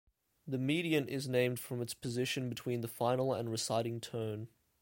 The mediant is named from its position between the final and reciting tone.